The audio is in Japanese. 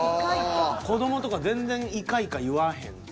子どもとか全然「イカイカ」言わへんし。